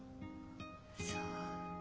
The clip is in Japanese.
そう。